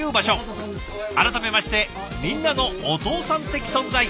改めましてみんなのお父さん的存在